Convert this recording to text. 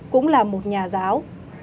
cũng là một nhà giáo